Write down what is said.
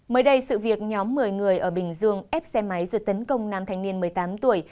mới đây sự việc nhóm một mươi người ở bình dương ép xe máy rồi tấn công nam thanh niên một mươi tám tuổi